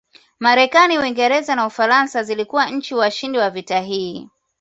Marekani Uingereza na Ufaransa zilikuwa nchi washindi wa vita hii